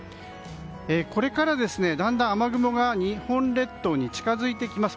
これから、だんだん雨雲が日本列島に近づいてきます。